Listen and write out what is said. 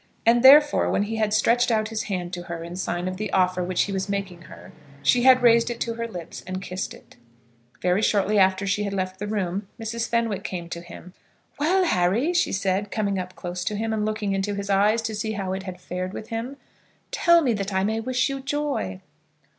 And therefore, when he had stretched out his hand to her in sign of the offer which he was making her, she had raised it to her lips and kissed it. Very shortly after she had left the room Mrs. Fenwick came to him. "Well, Harry," she said, coming up close to him, and looking into his eyes to see how it had fared with him, "tell me that I may wish you joy."